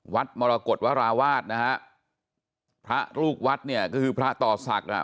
มรกฏวราวาสนะฮะพระลูกวัดเนี่ยก็คือพระต่อศักดิ์อ่ะ